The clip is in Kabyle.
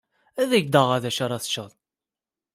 Ad ak-d-aɣeɣ d acu ara teččeḍ.